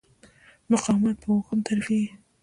مقاومت په اوهم تعریفېږي.